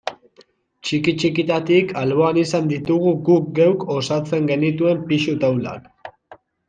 Txiki-txikitatik alboan izan ditugu guk geuk osatzen genituen pisu taulak.